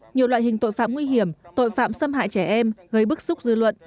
nhiều loại hình tội phạm nguy hiểm tội phạm xâm hại trẻ em gây bức xúc dư luận